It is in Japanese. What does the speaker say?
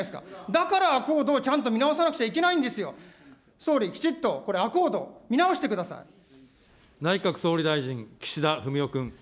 だから、アコードをちゃんと見直さなきゃいけないんですよ、総理、きちっと、これアコード、見直し内閣総理大臣、岸田文雄君。